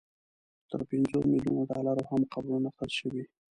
تر پنځو ملیونو ډالرو هم قبرونه خرڅ شوي.